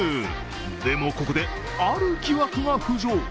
でも、ここである疑惑が浮上。